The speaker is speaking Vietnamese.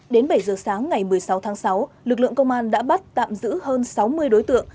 đến bảy giờ sáng ngày một mươi sáu tháng sáu lực lượng công an đã bắt tạm giữ hơn sáu mươi đối tượng